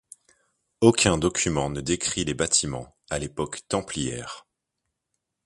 Aucun document ne décrit les bâtiments à l'époque templière.